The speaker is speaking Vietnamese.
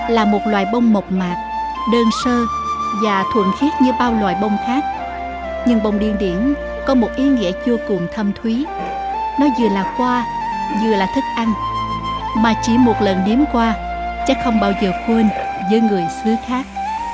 là một loại bông mộc mạc đơn sơ và thuận khiết như bao loại bông khác nhưng bông điển điển có một ý nghĩa vô cùng thâm thúy nó vừa là khoa vừa là thức ăn mà chỉ một lần nếm qua chắc không bao giờ quên với người xứ khác